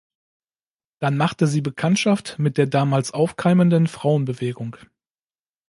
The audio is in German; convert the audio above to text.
Dann machte sie Bekanntschaft mit der damals aufkeimenden Frauenbewegung.